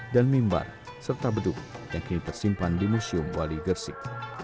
dan mimbar serta beduk yang kini tersimpan di museum wali gresik